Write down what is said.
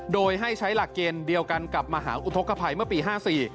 โดยให้ใช้หลักเกณฑ์เดียวกันกับมหาอุทธกภัยเมื่อปี๕๔